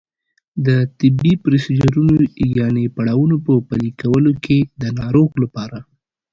د طبي پروسیجرونو یانې پړاوونو په پلي کولو کې د ناروغ لپاره